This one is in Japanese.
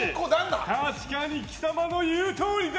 確かに貴様の言うとおりだ！